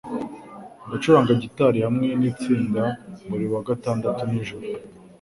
Ndacuranga gitari hamwe nitsinda buri wa gatandatu nijoro.